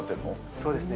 そうですね